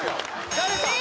誰か！